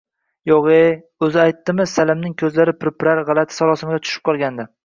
Yoʻgʻ-e, oʻzi aytdimi? – Salimning koʻzlari pirpirar, gʻalati sarosimaga tushib qolgandi.